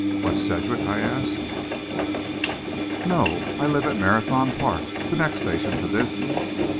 "West Sedgwick?" I asked. "No; I live at Marathon Park, the next station to this."